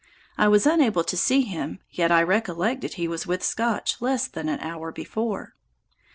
I was unable to see him, yet I recollected he was with Scotch less than an hour before.